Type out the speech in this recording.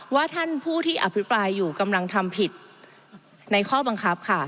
ว่าท่านผู้ที่อภิปรายอยู่กำลังทำผิดในข้อบังคับค่ะ